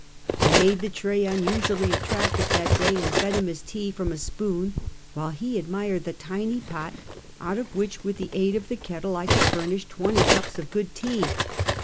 I made the tray unusually attractive that day, and fed him his tea from a spoon, while he admired the tiny pot, out of which, with the aid of the kettle, I could furnish twenty cups of good tea.